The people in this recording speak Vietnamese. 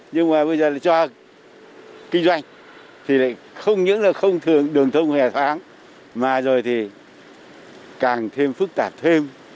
nhưng mà bây giờ cho kinh doanh thì không những là không thường đường thông hòa thoáng mà rồi thì càng thêm phức tạp thêm